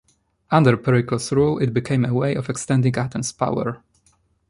Under Pericles' rule, it became a way of extending Athens' power.